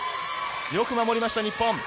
よく守りました、日本。